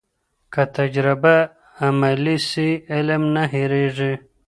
که تجربه عملي سي، علم نه هېرېږي.